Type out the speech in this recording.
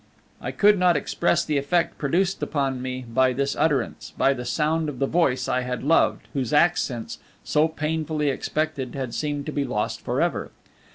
I cannot express the effect produced upon me by this utterance, by the sound of the voice I had loved, whose accents, so painfully expected, had seemed to be lost for ever.